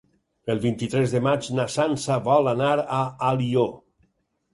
El vint-i-tres de maig na Sança vol anar a Alió.